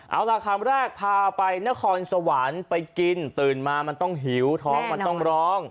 เอาล่ะคำแรกพาไปนครสวรรค์ไปกินตื่นมามันต้องหิวท้องมันต้องร้อง